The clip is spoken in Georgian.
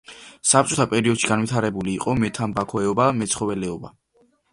საბჭოთა პერიოდში განვითარებული იყო მეთამბაქოეობა, მეცხოველეობა.